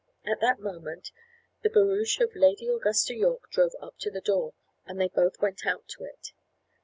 At that moment, the barouche of Lady Augusta Yorke drove up to the door, and they both went out to it.